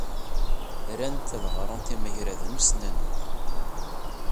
Rant ad ɣrent imagraden ussnanen.